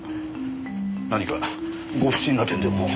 何かご不審な点でも？